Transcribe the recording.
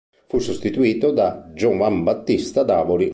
Fu sostituito da Giovanbattista Davoli.